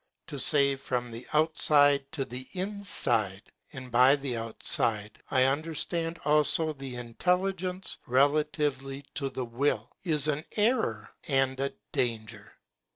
To save from the outside to the inside — and by the out side I understand also the intelligence relatively to the will—is an error and a danger.